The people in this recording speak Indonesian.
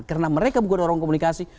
karena mereka bukan orang komunikasi